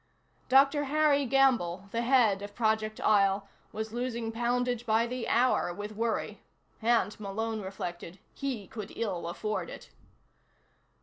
Dr. Harry Gamble, the head of Project Isle, was losing poundage by the hour with worry. And, Malone reflected, he could ill afford it.